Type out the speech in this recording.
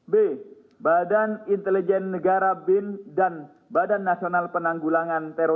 b badan intelijen negara bin dan badan nasional penanggulangan teroris